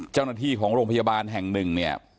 เจ้าหน้าที่ของโรงพยาบาลแห่งหนึ่งเนี่ย